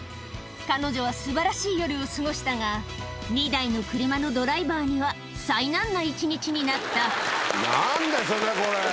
彼女は素晴らしい夜を過ごしたが２台の車のドライバーには災難な一日になった何でしょうねこれ。